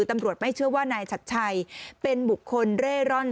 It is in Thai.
ตำรวจไม่เชื่อว่านายชัดชัยเป็นบุคคลเร่ร่อน